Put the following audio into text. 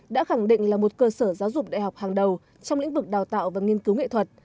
đã khẳng định là một cơ sở giáo dục đại học hàng đầu trong lĩnh vực đào tạo và nghiên cứu nghệ thuật